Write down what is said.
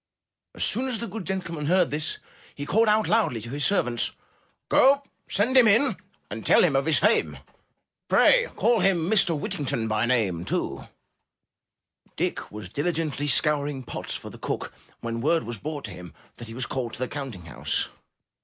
As soon as the good gentleman heard this, he called out loudly to his servants: *'Go send him in, and tell him of his fame; Pray call him Mr. Whittington by nameT' Dick was diligently scouring pots for the cook when word was brought to him that he was called to the counting house.